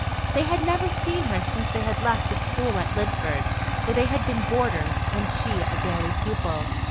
They had never seen her since they had left the school at Lidford, where they had been boarders, and she a daily pupil.